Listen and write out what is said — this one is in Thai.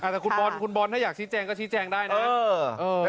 แต่คุณบอลคุณบอลถ้าอยากชี้แจงก็ชี้แจงได้นะ